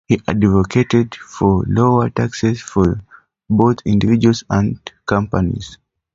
He advocated for lower taxes for both individuals and companies.